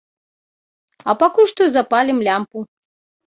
А пакуль што запалім лямпу.